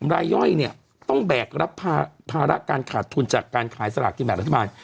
รายย่อยเนี่ยต้องแบกรับภาระการขาดทุนจากการขายสลากกินแบบรัฐบาล